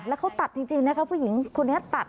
แล้วเขาตัดจริงนะคะผู้หญิงคนนี้ตัด